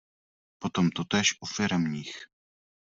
Potom totéž u firemních.